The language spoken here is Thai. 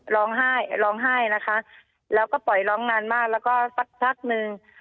ร้องไห้ร้องไห้นะคะแล้วก็ปล่อยร้องนานมากแล้วก็สักพักหนึ่ง